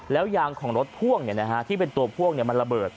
แล้วยางของรถพ่วงเนี้ยนะฮะที่เป็นตัวพ่วงเนี้ยมันระเบิด